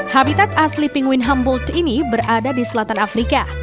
habitat asli pingwin humboldt ini berada di selatan afrika